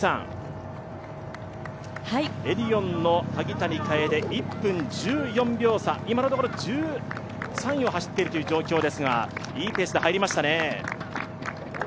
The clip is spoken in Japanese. エディオンの萩谷楓１分１４秒差、今のところ１３位を走っている状況ですがいいペースで入りましたね。